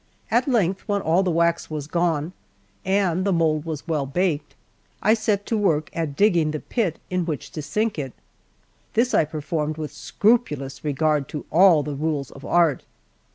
At length, when all the wax was gone, and the mould was well baked, I set to work at digging the pit in which to sink it. This I performed with scrupulous regard to all the rules of art.